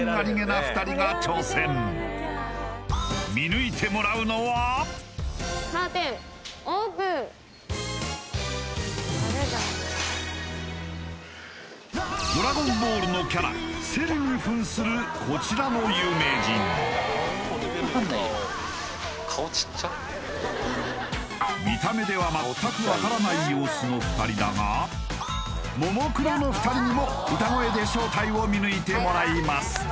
そして見抜いてもらうのは「ドラゴンボール」のキャラセルに扮するこちらの有名人見た目では全く分からない様子の２人だがももクロの２人にも歌声で正体を見抜いてもらいます